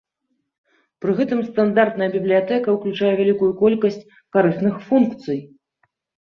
Пры гэтым стандартная бібліятэка ўключае вялікую колькасць карысных функцый.